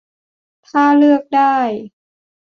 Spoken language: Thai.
ถ้าเลือกได้